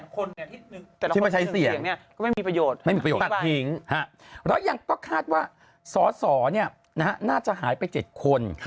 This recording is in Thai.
๑๕๐๐๐๐๐คนที่มาใช้เสี่ยงก็ไม่มีประโยชน์